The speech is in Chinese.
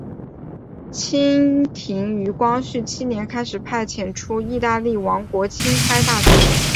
清廷于光绪七年开始派遣出使意大利王国钦差大臣。